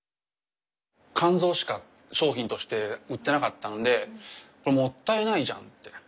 肝臓しか商品として売ってなかったのでこれもったいないじゃんって。